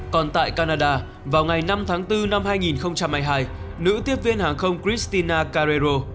còn tại canada vào ngày năm tháng bốn năm hai nghìn hai mươi hai nữ tiếp viên hàng không christina carrero